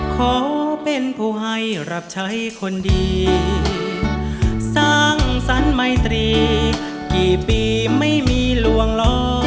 ขอเป็นผู้ให้รับใช้คนดีสร้างสรรค์ไมตรีกี่ปีไม่มีลวงล้อ